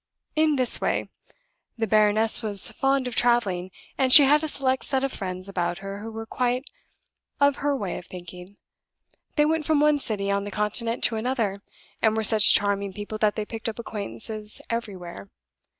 "In this way. The baroness was fond of traveling, and she had a select set of friends about her who were quite of her way of thinking. They went from one city on the Continent to another, and were such charming people that they picked up acquaintances everywhere.